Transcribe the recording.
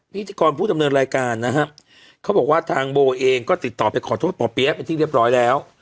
พิธีกรผู้ดำเนินรายการนะฮะเขาบอกว่าทางโบเองก็ติดต่อไปขอโทษหมอเปี๊ยะเป็นที่เรียบร้อยแล้ว